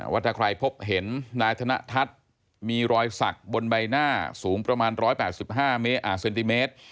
ว่าถ้าใครพบเห็นนายธนทัศน์มีรอยสักบนใบหน้าสูงประมาณ๑๘๕เซนติเมตร